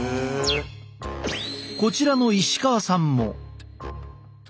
こちらの石川さんも。